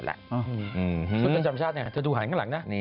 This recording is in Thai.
ชุดประจำชาติเธอดูหันข้างหลังนะ